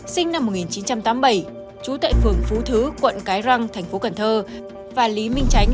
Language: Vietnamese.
sinh năm một nghìn chín trăm tám mươi bảy chú tệ phường phú thứ quận cái răng tp cn và lý minh tránh